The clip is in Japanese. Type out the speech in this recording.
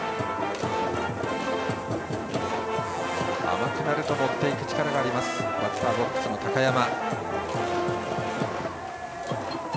甘く入ると持っていく力があるバッターボックスの高山。